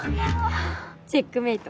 チェックメイト。